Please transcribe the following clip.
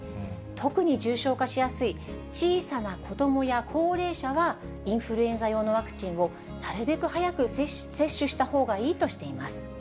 特に重症化しやすい、小さな子どもや高齢者は、インフルエンザ用のワクチンをなるべく早く接種したほうがいいとしています。